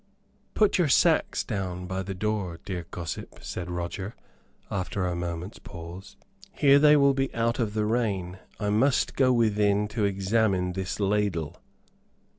"Put your sacks down by the door, dear gossip," said Roger, after a moment's pause. "Here they will be out of the rain. I must go within to examine this ladle."